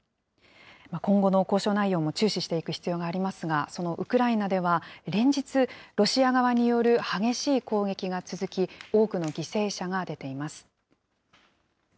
今後の交渉内容も注視していく必要がありますが、そのウクライナでは、連日、ロシア側による激しい攻撃が続き、多くの犠牲者が出ています。